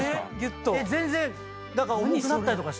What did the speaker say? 全然重くなったりとかしないの？